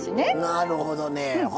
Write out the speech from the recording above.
なるほどね。はあ。